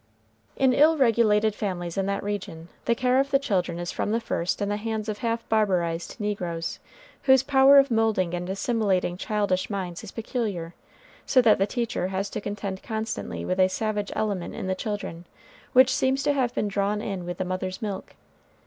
In ill regulated families in that region, the care of the children is from the first in the hands of half barbarized negroes, whose power of moulding and assimilating childish minds is peculiar, so that the teacher has to contend constantly with a savage element in the children which seems to have been drawn in with the mother's milk.